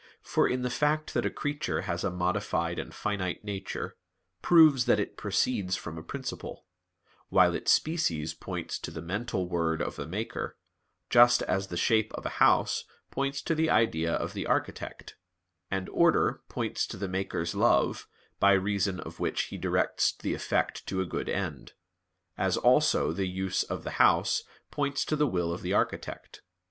For in the fact that a creature has a modified and finite nature, proves that it proceeds from a principle; while its species points to the (mental) word of the maker, just as the shape of a house points to the idea of the architect; and order points to the maker's love by reason of which he directs the effect to a good end; as also the use of the house points to the will of the architect.